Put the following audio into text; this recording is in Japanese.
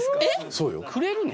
そうよくれるの？